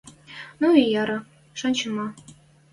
Ну и яра, шачын ма.